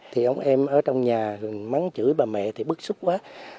thì ông em ở trong nhà mắng chửi bà mẹ thì bức xúc quá